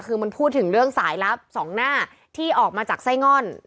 คือมันพูดถึงเรื่องสายลับสองหน้าที่ออกมาจากไส้ง่อน